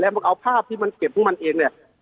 ประกอบภาพที่มันเก็บพี่มันเองเนี่ย